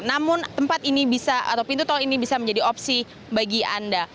namun pintu tol ini bisa menjadi opsi bagi anda